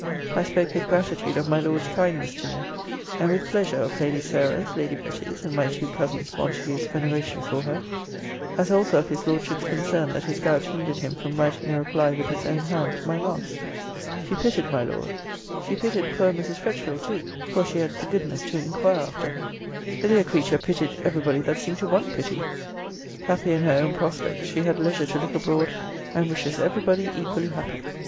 I spoke with gratitude of my Lord's kindness to me; and with pleasure of Lady Sarah's, Lady Betty's, and my two cousins Montague's veneration for her: as also of his Lordship's concern that his gout hindered him from writing a reply with his own hand to my last. She pitied my Lord. She pitied poor Mrs. Fretchville too; for she had the goodness to inquire after her. The dear creature pitied every body that seemed to want pity. Happy in her own prospects, she had leisure to look abroad, and wishes every body equally happy.